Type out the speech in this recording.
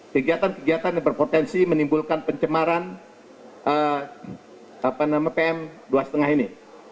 kegiatan kegiatan yang berpotensi menimbulkan pencemaran pm dua lima ini